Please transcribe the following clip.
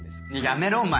やめろ！お前！